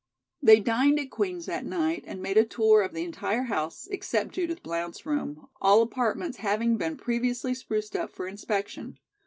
They dined at Queen's that night and made a tour of the entire house, except Judith Blount's room, all apartments having been previously spruced up for inspection.